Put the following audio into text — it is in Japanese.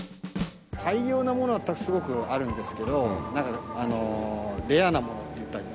大量なものはすごくあるんですけどレアなものって言ったらいいんですかね？